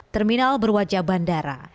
terminal berwajah bandara